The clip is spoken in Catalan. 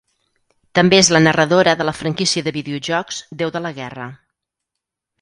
També és la narradora de la franquícia de videojocs "Déu de la guerra".